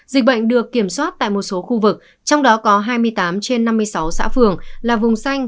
dịch bệnh được kiểm soát tại một số khu vực trong đó có hai mươi tám trên năm mươi sáu xã phường là vùng xanh